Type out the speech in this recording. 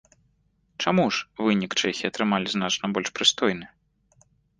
Чаму ж вынік чэхі атрымалі значна больш прыстойны?